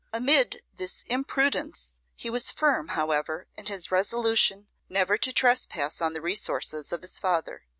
Amid this imprudence he was firm, however, in his resolution never to trespass on the resources of his father.